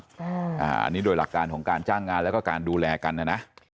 อันนี้โดยหลักการของการจ้างงานแล้วก็การดูแลกันนะนะ